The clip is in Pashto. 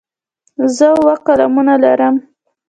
زه اووه قلمونه لرم.